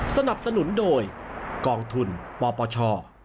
สนับสนุนโดยกองทุนปปช